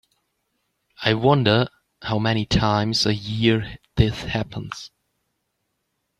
I wonder how many times a year this happens.